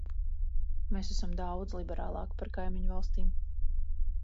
Mēs esam daudz liberālāki par kaimiņu valstīm.